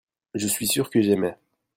je suis sûr que j'aimai.